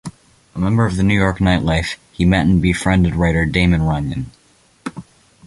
A member of the New York nightlife, he met and befriended writer Damon Runyon.